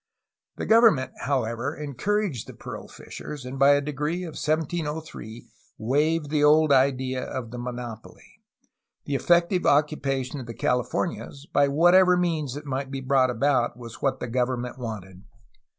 The government, however, encouraged the pearl fishers, and by a decree of 1703 waived the old idea of the monopoly; the effective occupation of the Californias, by whatever means it might be brought about, was what the government wanted.